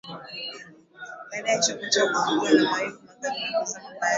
baada ya chombo chao kupigwa na mawimbi makali na kuzama baharini